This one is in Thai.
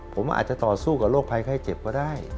ผมอาจจะต่อสู้กับโรคภัยไข้เจ็บก็ได้